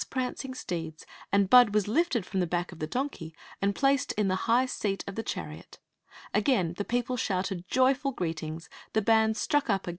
VOt KS prancing steeds, and Bud wa^ lifted iron *he ick t the donkey and f^aead in ^ h%h seat ci the cnari^. Again the people shouted joyful ;^reetings; ne band struck up a g.